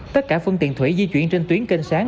tất cả phương tiện thủy di chuyển trên tuyến kênh sáng